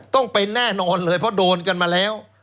ต้องเป็นแน่นอนเลยเพราะโดนกันมาแล้ว